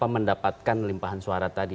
mendapatkan limpahan suara tadi